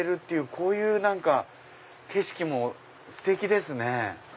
こういう景色もステキですね。